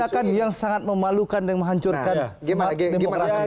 tindakan yang sangat memalukan dan menghancurkan sebuah demokrasi